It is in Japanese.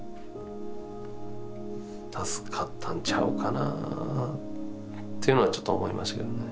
助かったんちゃうかなっていうのはちょっと思いましたけどね。